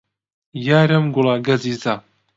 یارم گوڵە گەزیزە